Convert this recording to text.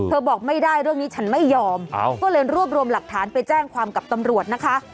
บอกไม่ได้เรื่องนี้ฉันไม่ยอมก็เลยรวบรวมหลักฐานไปแจ้งความกับตำรวจนะคะ